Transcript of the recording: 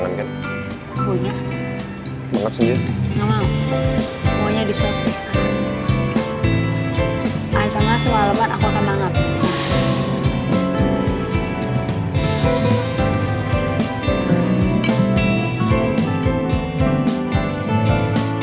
mau mendemengi saya